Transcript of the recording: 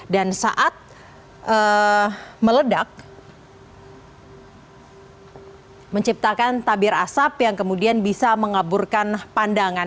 dan saat meledak menciptakan tabir asap yang kemudian bisa mengaburkan pandangan